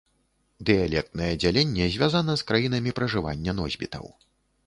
Дыялектнае дзяленне звязана з краінамі пражывання носьбітаў.